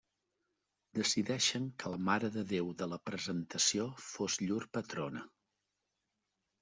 Decideixen que la Mare de Déu de la Presentació fos llur patrona.